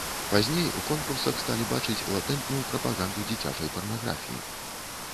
Пазней у конкурсах сталі бачыць латэнтную прапаганду дзіцячай парнаграфіі.